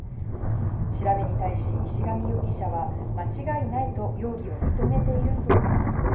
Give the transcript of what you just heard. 調べに対し、石上容疑者は、間違いないと容疑を認めているということです。